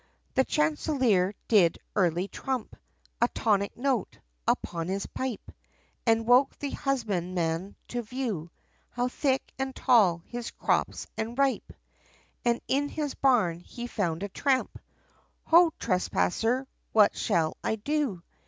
The chanticleer, did early trump, A tonic note, upon his pipe, And woke the husbandman, to view, How thick, and tall, his crops, and ripe. And in his barn, he found a tramp! "Ho, trespasser, what shall I do?"